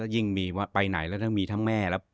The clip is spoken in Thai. ยิ่งมีว่าไปไหนแล้วทั้งมีทั้งแม่แล้ว